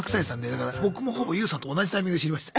だから僕もほぼＹＯＵさんと同じタイミングで知りました。